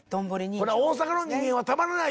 これは大阪の人間はたまらない。